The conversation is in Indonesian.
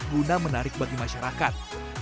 guna menarik bagi masyarakat